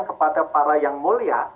kepada para yang mulia